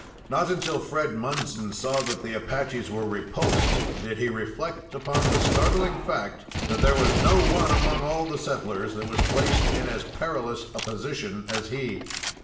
Not until Fred Munson saw that the Apaches were repulsed did he reflect upon the startling fact that there was no one among all the settlers that was placed in as perilous a position as he.